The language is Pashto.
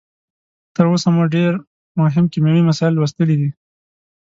تر اوسه مو ډیر مهم کیمیاوي مسایل لوستلي دي.